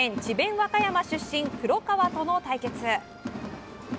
和歌山出身黒川との対決。